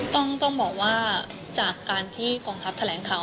ต้องบอกว่าจากการที่กองทัพแถลงข่าว